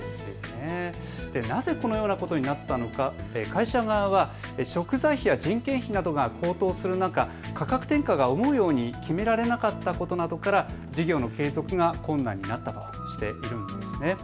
なぜこのようなことになったのか会社側は食材費や人件費などが高騰する中、価格転嫁が思うように決められなかったことなどから事業の継続が困難になったとしているんです。